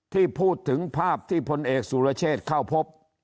ที่พูดถึงภาพที่พลเอกสุรเชษฐ์เข้าพบ